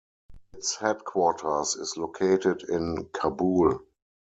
Its headquarters is located in Kabul.